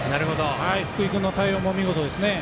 福井君の対応も見事ですね。